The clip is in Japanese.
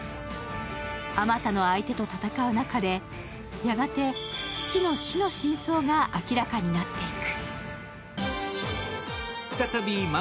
あまたの相手を戦う中で、やがて父の死の真相が明らかになっていく。